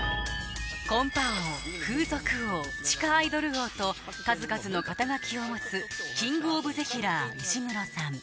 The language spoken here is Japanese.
コンパ王風俗王地下アイドル王と数々の肩書を持つキングオブぜひらー石黒さん